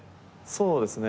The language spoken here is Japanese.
そうですね。